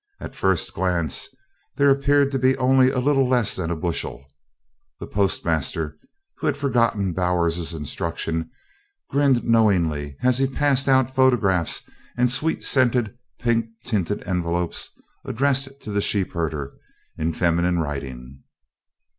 At first glance, there appeared to be only a little less than a bushel. The postmaster, who had forgotten Bowers's instructions, grinned knowingly as he passed out photographs and sweet scented, pink tinted envelopes addressed to the sheepherder in feminine writing.